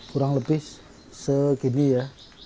kurang lebih segini ya